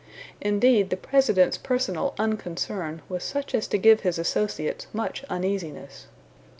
Indeed, the President's personal unconcern was such as to give his associates much uneasiness.